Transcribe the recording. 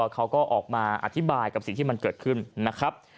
เขาก็ออกมาอธิบายกับสิ่งที่มันเกิดขึ้นนะครับ